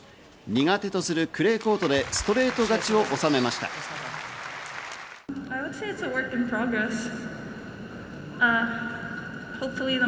苦手とするクレーコートでストレート勝ちを収めました。